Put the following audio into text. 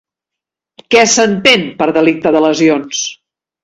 Què s'entén per delicte de lesions?